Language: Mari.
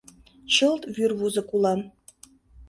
Чылт вӱрвузык улам.